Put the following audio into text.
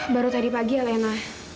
baru tadi pagi alena